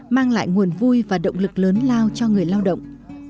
mang lại nguồn vui và động lực lớn lao cho người lao động